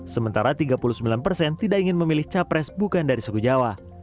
sementara tiga puluh sembilan persen tidak ingin memilih capres bukan dari suku jawa